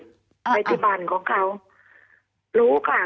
ไปที่บ้านของเขา